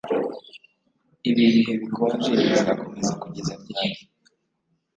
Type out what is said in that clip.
Ibi bihe bikonje bizakomeza kugeza ryari